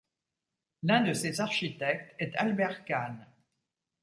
L'un de ses architectes est Albert Kahn.